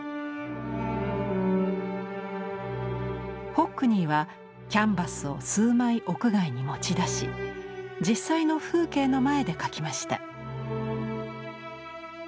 ホックニーはキャンバスを数枚屋外に持ち出し実際の風景の前で描きました。